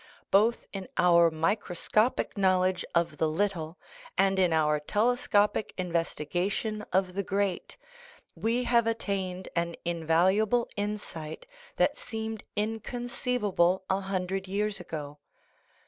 Both in our microscopic knowledge of the i little and in our telescopic investigation of the great we have attained an invaluable insight that seemed in conceivable a hundred years ago.